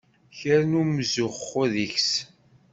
Kra n umzuxxu deg-s!